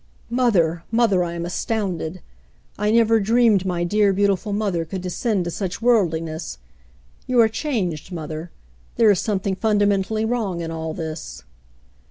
"Mother, mother! I am astounded! I never dreamed my dear, beautiful mother could descend to such worldli ness. You are changed, mother. There is something fun damentally wrong in all this."